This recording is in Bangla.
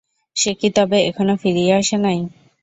সে কি তবে এখনও ফিরিয়া আসে নাই?